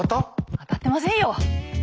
当たってませんよ！